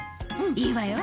いいわよ。